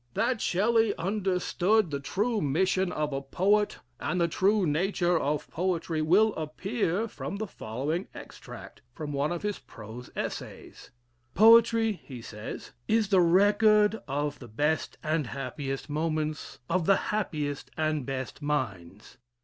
"That Shelley understood the true mission of a poet, and the true nature of poetry, will appear from the following extract from one of his prose essays: "Poetry," he says, "is the record of the best and happiest moments of the happiest and best minds.